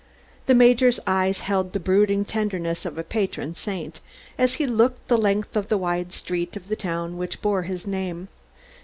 The Major's eyes held the brooding tenderness of a patron saint, as he looked the length of the wide street of the town which bore his name.